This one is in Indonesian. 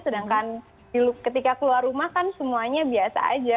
sedangkan ketika keluar rumah kan semuanya biasa aja